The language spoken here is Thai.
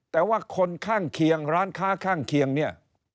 แต่ว่าคนข้างเคียงร้านค้าข้างเคียงเนี่ย